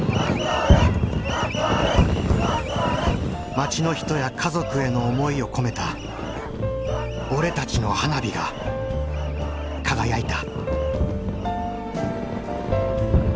町の人や家族への思いを込めた俺たちの花火が輝いた。